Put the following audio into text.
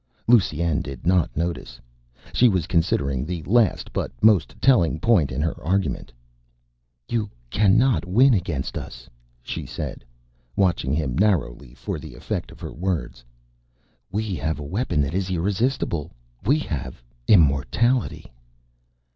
Lusine did not notice. She was considering the last but most telling point in her argument "You cannot win against us," she said, watching him narrowly for the effect of her words. "We have a weapon that is irresistible. We have immortality."